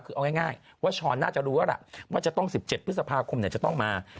คือเอาง่ายว่าช้อนน่าจะรู้แล้วล่ะว่าจะต้อง๑๗พฤษภาคมจะต้องมา